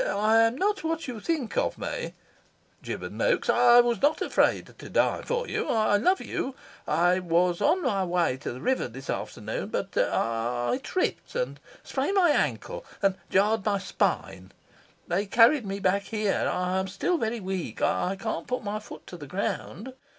"I am not what you think me," gibbered Noaks. "I was not afraid to die for you. I love you. I was on my way to the river this afternoon, but I I tripped and sprained my ankle, and and jarred my spine. They carried me back here. I am still very weak. I can't put my foot to the ground.